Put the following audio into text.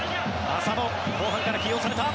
浅野、後半から起用された。